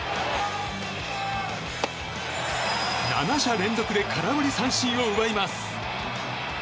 ７者連続で空振り三振を奪います。